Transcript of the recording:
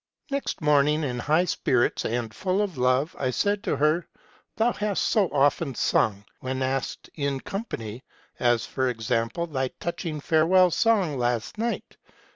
Next morning, in high spirits and full of love, I said to her, ' Thou hast so often sung, when asked in company ; as, for example, thy touching farewell song last night.